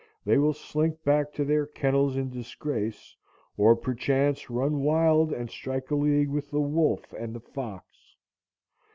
They will slink back to their kennels in disgrace, or perchance run wild and strike a league with the wolf and the fox.